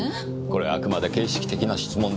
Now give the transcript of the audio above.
これはあくまで形式的な質問です。